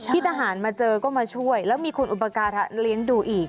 ที่ทหารมาเจอก็มาช่วยแล้วมีคุณอุปการะเลี้ยงดูอีก